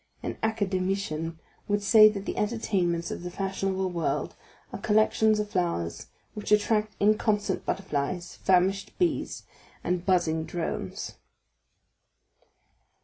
An Academician would say that the entertainments of the fashionable world are collections of flowers which attract inconstant butterflies, famished bees, and buzzing drones.